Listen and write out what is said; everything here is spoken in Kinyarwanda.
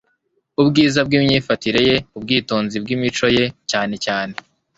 Ubwiza bw'imyifatire ye, ubwitonzi bw'imico ye cyane cyane